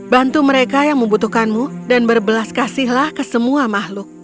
bantu mereka yang membutuhkanmu dan berbelas kasihlah ke semua makhluk